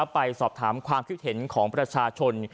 ไปสอบถามความคิดเห็นของประชาชน